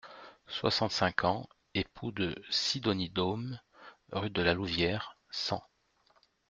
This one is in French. soixante-cinq ans, époux de Sidonie Doom, rue de la Louvière, cent.